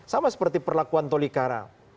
sama seperti perlakuan tolikara